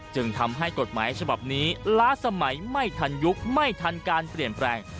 จึงทำให้กฎหมายฉบับนี้ล้าสมัยไม่ทันยุคไม่ทันการเปลี่ยนแปลง